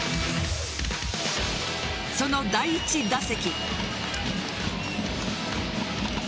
その第１打席。